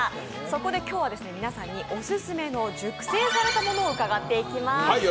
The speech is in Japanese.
そこで今日は皆さんにオススメの熟成されたものを伺っていきます。